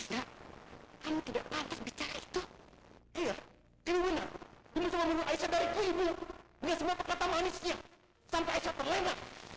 iya itu benar dia bisa membunuh aisyah dari kuibu dengan semua perkataan manisnya sampai aisyah terlemah